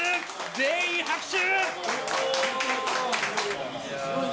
全員拍手！